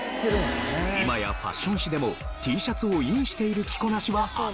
今やファッション誌でもＴシャツをインしている着こなしは当たり前。